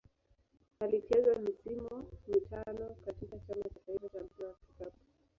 Alicheza misimu mitano katika Chama cha taifa cha mpira wa kikapu.